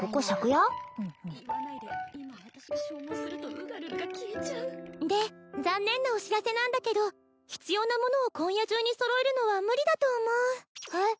言わないで今私が消耗するとウガルルが消えちゃうで残念なお知らせなんだけど必要なものを今夜中に揃えるのは無理だと思うえっ？